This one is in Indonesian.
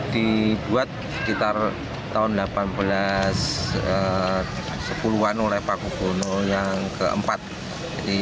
dibuat sekitar tahun seribu delapan ratus sepuluh an oleh paku buwono iv